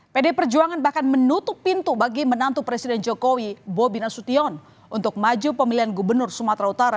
pd perjuangan bahkan menutup pintu bagi menantu presiden jokowi bobi nasution untuk maju pemilihan gubernur sumatera utara